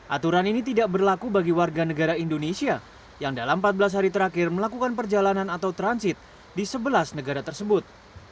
aturan ini tidak berlaku bagi warga negara indonesia yang dalam empat belas hari terakhir melakukan perjalanan atau transit di sebelas negara tersebut